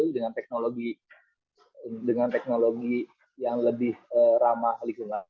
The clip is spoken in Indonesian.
dengan teknologi yang lebih ramah lingkungan